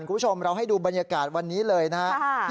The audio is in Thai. คุณผู้ชมเราให้ดูบรรยากาศวันนี้เลยนะครับ